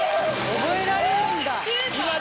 覚えられるんだ。